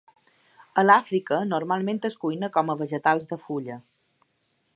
A l'Àfrica, normalment es cuina com a vegetals de fulla.